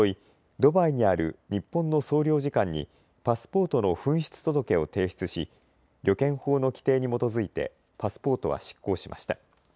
ドバイにある日本の総領事館にパスポートの紛失届を提出し旅券法の規定に基づいてパスポートは失効しました。